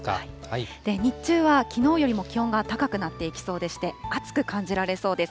日中はきのうよりも気温が高くなっていきそうでして、暑く感じられそうです。